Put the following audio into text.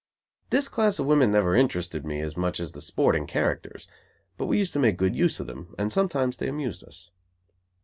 This class of women never interested me as much as the sporting characters, but we used to make good use of them; and sometimes they amused us.